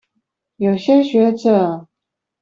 有些學者